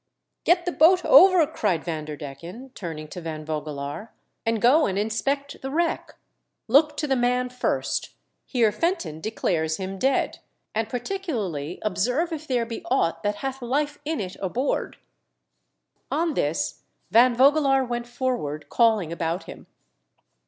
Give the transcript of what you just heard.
" Get the boat over," cried Vanderdecken, turning to Van Vogelaar. "and go and inspect the wreck. Look to the man first : Heer Fenton declares him dead ; and par ticularly obscrv^c if there be aught that hath life in it aboard." 296 THE DEATH SHIP. On this, Van Vogelaar went forward, callino about him.